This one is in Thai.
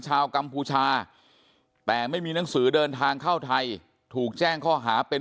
กัมพูชาแต่ไม่มีหนังสือเดินทางเข้าไทยถูกแจ้งข้อหาเป็น